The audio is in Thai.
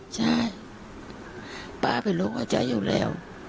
ใช่ป๊าเป็นลูกอาจจะอยู่แล้ว